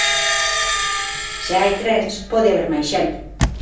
Se hai trens, pode haber máis xente.